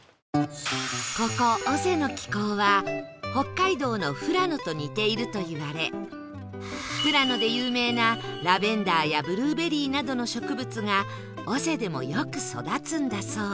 ここ尾瀬の気候は北海道の富良野と似ているといわれ富良野で有名なラベンダーやブルーベリーなどの植物が尾瀬でもよく育つんだそう